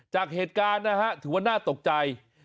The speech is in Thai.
จากเหตุการณ์นะฮะถือว่าน่าตกใจ